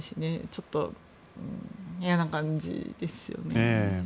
ちょっと、嫌な感じですよね。